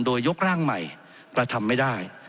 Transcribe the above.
โดยยกร่างใหม่กระทำไม่ได้